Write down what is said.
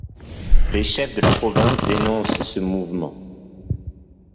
Les chefs de la province dénoncent ce mouvement.